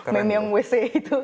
meme yang wc itu